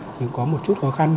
thì có một chút khó khăn